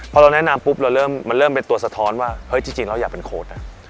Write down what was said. พอเราแนะนำปุ๊บเราเริ่มมันเริ่มเป็นตัวสะท้อนว่าเฮ้ยจริงเราอยากเป็นโค้ดนะ